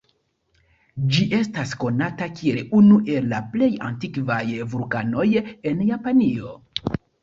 Ĝi estas konata kiel unu el la plej aktivaj vulkanoj en Japanio.